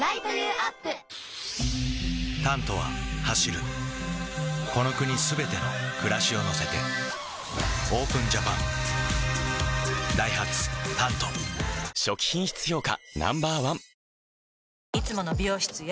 「タント」は走るこの国すべての暮らしを乗せてＯＰＥＮＪＡＰＡＮダイハツ「タント」初期品質評価